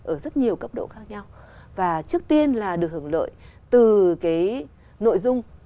ở rất nhiều cấp độ khác nhau và trước tiên là được hưởng lợi từ cái nội dung